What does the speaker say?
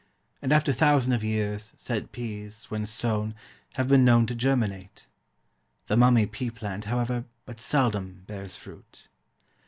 And after thousand of years said peas, when sown, have been known to germinate. The mummy pea plant, however, but seldom bears fruit.